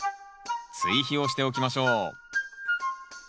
追肥をしておきましょう。